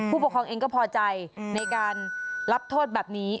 ผู้ปกครองเองก็พอใจในการรับโทษแบบนี้